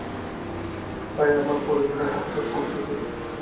তাই, আমার পুরো জীবনটা হঠাৎ থমকে যাই।